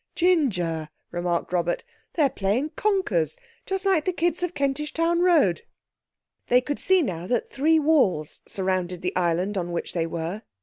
"Ginger!" remarked Robert, "they're playing conkers, just like the kids in Kentish Town Road!" They could see now that three walls surrounded the island on which they were.